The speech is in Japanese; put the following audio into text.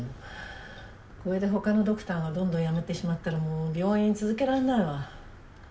これで他のドクターがどんどん辞めてしまったらもう病院続けられないわ。